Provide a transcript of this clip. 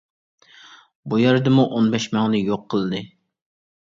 بۇ يەردىمۇ ئون بەش مىڭنى يوق قىلدى.